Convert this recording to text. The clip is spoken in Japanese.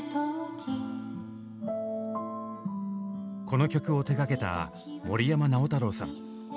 この曲を手がけた森山直太朗さん。